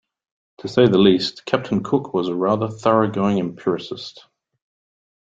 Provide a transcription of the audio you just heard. To say the least, Captain Cook was a rather thorough going empiricist.